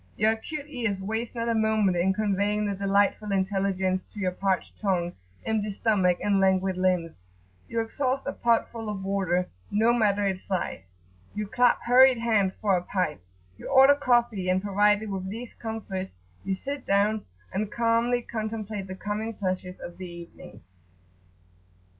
Your acute ears waste not a moment in conveying the delightful intelligence to your parched tongue, empty stomach, and languid limbs. You exhaust a pot full of water, no matter its size. You clap hurried hands[FN#9] for a pipe; you order coffee; and provided with these comforts, you sit down, and calmly contemplate the coming pleasures of the evening.